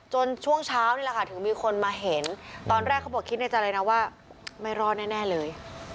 ช่วงเช้านี่แหละค่ะถึงมีคนมาเห็นตอนแรกเขาบอกคิดในใจเลยนะว่าไม่รอดแน่เลย